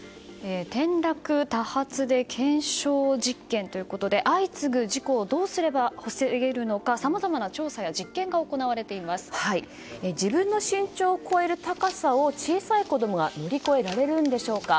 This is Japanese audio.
転落多発で検証実験ということで相次ぐ事故をどうすれば防げるのかさまざまな調査や実験が自分の身長を超える高さを小さい子供が乗り越えられるんでしょうか。